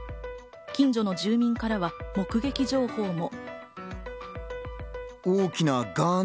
近所の住民からは目撃情報も。